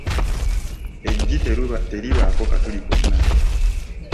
Eggi teribaako katuli konna.